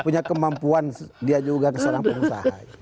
punya kemampuan dia juga ke seorang pengusaha